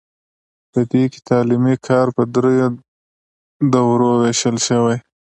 په دې کې تعلیمي کار په دریو دورو ویشل شوی.